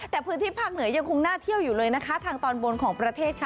แต่พื้นที่ภาคเหนือยังคงน่าเที่ยวอยู่เลยนะคะทางตอนบนของประเทศค่ะ